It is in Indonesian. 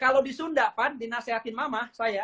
kalau di sunda pan dinasihati mama saya